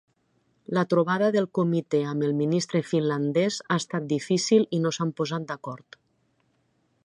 La trobada del Comité amb el ministre finlandés ha estat difícil i no s'han posat d'acord.